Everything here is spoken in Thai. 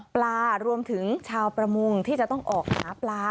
ปลารวมถึงชาวประมงที่จะต้องออกหาปลา